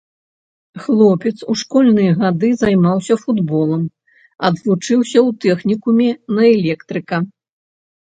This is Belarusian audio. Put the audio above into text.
Хлопец у школьныя гады займаўся футболам, адвучыўся ў тэхнікуме на электрыка.